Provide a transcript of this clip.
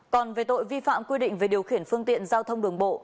còn về tội vi phạm quy định về điều khiển phương tiện giao thông đường bộ